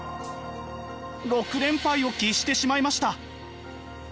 ６連敗を喫してしまいました。